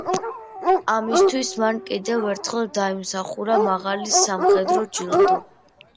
ამისთვის მან კიდევ ერთხელ დაიმსახურა მაღალი სამხედრო ჯილდო.